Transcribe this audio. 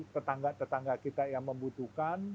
tetangga tetangga kita yang membutuhkan